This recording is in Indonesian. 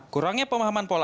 kurangnya pemahaman pola